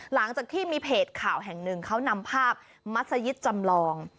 หลังจากที่มีเพจข่าวแห่งหนึ่งเขานำภาพมัศยิตจำลอง